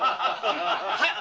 はい。